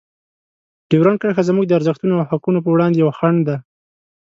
ډیورنډ کرښه زموږ د ارزښتونو او حقونو په وړاندې یوه خنډ ده.